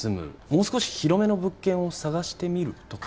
もう少し広めの物件を探してみるとか。